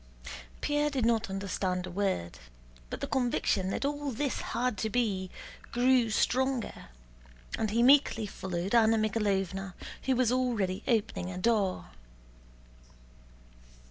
Pierre did not understand a word, but the conviction that all this had to be grew stronger, and he meekly followed Anna Mikháylovna who was already opening a door.